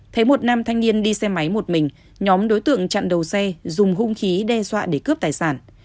thấy một nam thanh niên đi xe máy một mình nhóm đối tượng chặn đầu xe dùng hung khí đe dọa để cướp tài sản